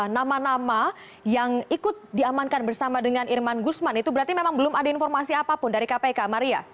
nama nama yang ikut diamankan bersama dengan irman gusman itu berarti memang belum ada informasi apapun dari kpk maria